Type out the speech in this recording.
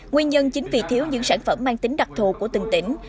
nguyên nhân chính vì thiếu những sản phẩm mang tính đặc thù của từng tỉnh